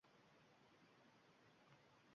Ey, holiqi olam